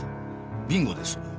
ビンゴです。